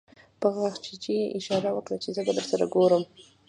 په غاښچيچي يې اشاره وکړه چې زه به درسره ګورم.